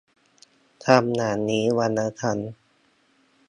ทำอย่างนี้วันละครั้ง